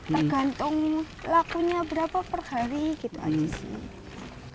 tergantung lakunya berapa per hari gitu aja sih